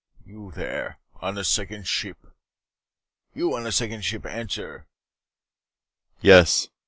"You there, on the Second ship. You on the second ship. Answer." "Yes!"